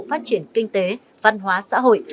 phát triển kinh tế văn hóa xã hội